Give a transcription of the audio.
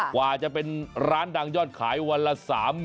กว่าจะเป็นร้านดังยอดขายวันละ๓๐๐๐